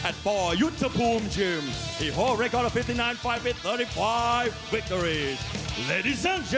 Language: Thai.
แซมพิเยอร์ชาลิ้ง